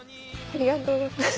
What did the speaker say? ありがとうございます。